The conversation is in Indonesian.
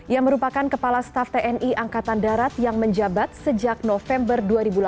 yang merupakan kepala staff tni angkatan darat yang menjabat sejak november dua ribu delapan belas